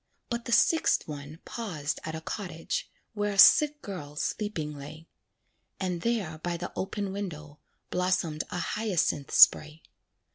But the sixth one paused at a cottage, Where a sick girl sleeping lay; And there by the open window, Blossomed a hyacinth spray.